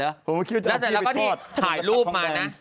แล้วแต่เราก็นี่ถ่ายรูปมานะ